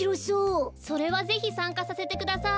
それはぜひさんかさせてください。